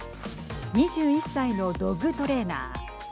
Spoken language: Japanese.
２１歳のドッグトレーナー。